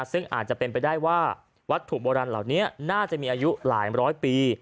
ซึ่งอาจจะเป็นไปได้ว่าวัตถุโบราณเหล่านี้น่าจะมีอายุหลายร้อยปี